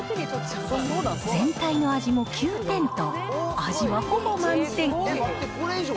全体の味も９点と、味はほぼ満点。